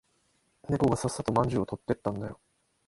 猫がささっとまんじゅうを取ってったんだよ。